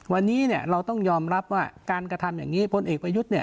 วันนี้เราต้องยอมรับว่าการกระทำอย่างนี้พลเอกประยุทธ์เนี่ย